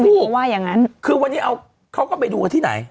บอกว่าอย่างงั้นคือวันนี้เอาเขาก็ไปดูกันที่ไหน